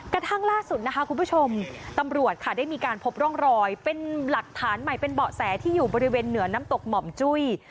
กระทั่งล่าสุดนะคะคุณผู้ชมตำรวจค่ะได้มีการพบร่องรอยเป็นหลักฐานใหม่เป็นเบาะแสที่อยู่บริเวณเหนือน้ำตกหม่อมจุ้ย